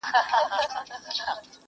زنده باد سې اورېدلای